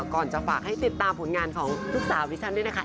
ก่อนจะฝากให้ติดตามผลงานของลูกสาวดิฉันด้วยนะคะ